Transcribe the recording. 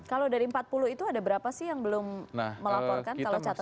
kalau dari empat puluh itu ada berapa sih yang belum melaporkan kalau catatan